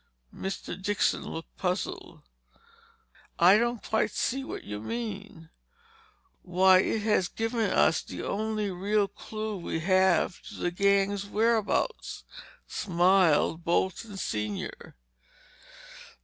Mr. Dixon looked puzzled. "I don't quite see what you mean?" "Why, it has given us the only real clue we have to the gang's whereabouts," smiled Bolton senior.